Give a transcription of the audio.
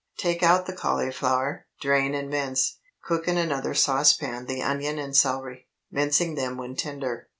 Take out the cauliflower, drain and mince. Cook in another saucepan the onion and celery, mincing them when tender.